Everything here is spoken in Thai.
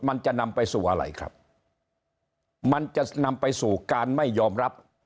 มันจะนำไปสู่อะไรครับมันจะนำไปสู่การไม่ยอมรับ